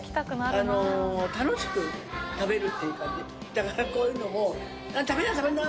だからこういうのも「食べな食べな」